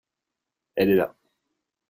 elle est là.